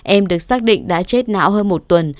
em được xác định đã chết não hơn một tuần